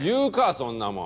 そんなもん。